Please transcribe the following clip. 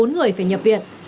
bốn người phải nhập viện